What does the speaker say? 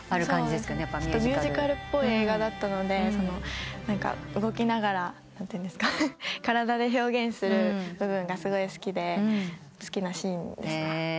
ミュージカルっぽい映画だったので動きながら体で表現する部分がすごい好きで好きなシーンです。